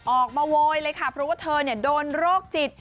โวยเลยค่ะเพราะว่าเธอโดนโรคจิต